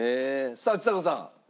さあちさ子さん。